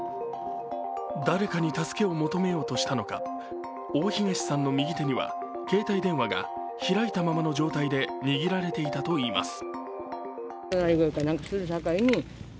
誰かの助けを求めようとしたのか、大東さんの右手には携帯電話が開いたままの状態で握られていたといいます。